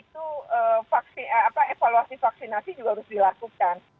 itu evaluasi vaksinasi juga harus dilakukan